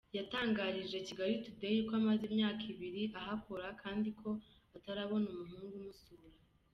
Yatangarije Kigali Today ko amaze imyaka ibiri ahakora kandi ko atarabona umuhungu umusura.